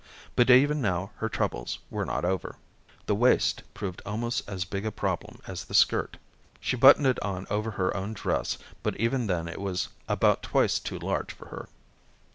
But even now her troubles were not over. The waist proved almost as big a problem as the skirt. She buttoned it on over her own dress, but even then it was about twice too large for her.